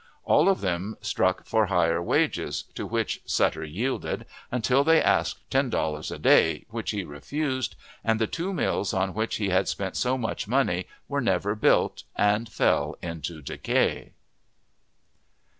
All of them struck for higher wages, to which Sutter yielded, until they asked ten dollars a day, which he refused, and the two mills on which he had spent so much money were never built, and fell into decay.